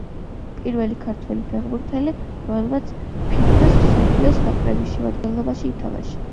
პირველი ქართველი ფეხბურთელი, რომელმაც ფიფა-ს მსოფლიოს ნაკრების შემადგენლობაში ითამაშა.